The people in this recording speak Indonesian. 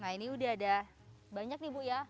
nah ini udah ada banyak nih bu ya